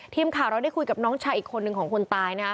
ทีมข่าวเราได้คุยกับน้องชายอีกคนนึงของคนตายนะคะ